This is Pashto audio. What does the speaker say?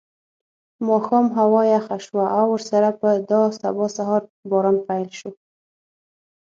ماښام هوا یخه شوه او ورسره په دا سبا سهار باران پیل شو.